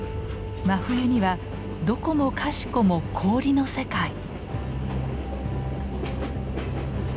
真冬にはどこもかしこも氷の世界。